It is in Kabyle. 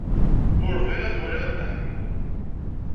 Ur bɣiɣ ad waliɣ Dda Ḥemmu.